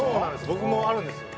僕もあるんですよ